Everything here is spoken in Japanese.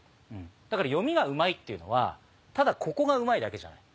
だから読みがうまいっていうのはただここがうまいだけじゃない。